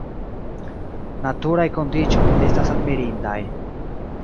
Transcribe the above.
Naturaj kondiĉoj estas admirindaj.